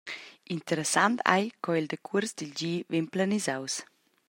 Interessant ei, co il decuors dil gi vegn planisaus.